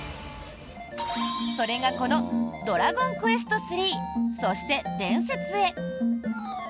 それが、この「ドラゴンクエスト３そして伝説へ」。